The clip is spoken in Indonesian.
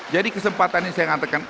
jadi kesempatan ini saya ngatakan